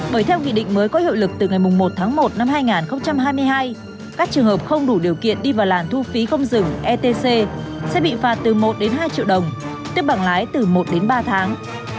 bởi theo nghị định mới có hiệu lực từ ngày một tháng một năm hai nghìn hai mươi hai các trường hợp không đủ điều kiện đi vào làn thu phí không dừng etc sẽ bị phạt từ một đến hai triệu đồng tước bằng lái từ một đến ba tháng